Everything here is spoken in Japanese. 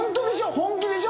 本気でしょ？